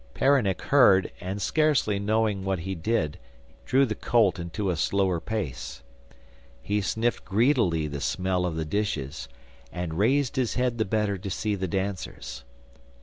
Peronnik heard, and, scarcely knowing what he did drew the colt into a slower pace. He sniffed greedily the smell of the dishes, and raised his head the better to see the dancers.